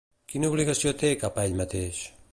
Quina obligació té cap a ell mateix?